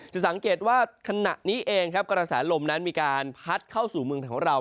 จะสังเกตว่าขณะนี้เองครับกระแสลมนั้นมีการพัดเข้าสู่เมืองของเรา